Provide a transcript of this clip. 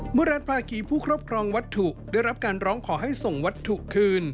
เมื่อร้านภาคีผู้ครอบครองวัตถุได้รับการร้องขอให้ส่งวัตถุคืน